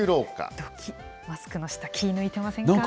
どき、マスクの下、気抜いてませんか？